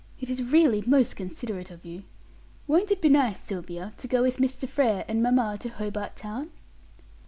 "It is really most considerate of you. Won't it be nice, Sylvia, to go with Mr. Frere and mamma to Hobart Town?"